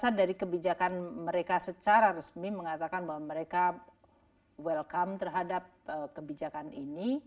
saya rasa dari kebijakan mereka secara resmi mengatakan bahwa mereka welcome terhadap kebijakan ini